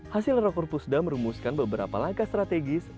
hasil rakor pusda merumuskan beberapa langkah strategis